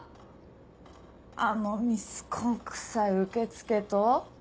あのミスコンくさい受付と？